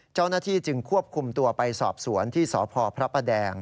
เจ้าหน้าที่จึงควบคุมตัวไปสอบสวนที่สพด